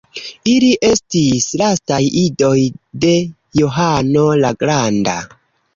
Ili estis lastaj idoj de Johano la Granda.